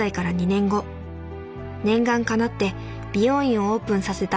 念願かなって美容院をオープンさせた愛子さん。